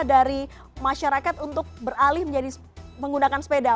dari masyarakat untuk beralih menjadi menggunakan sepeda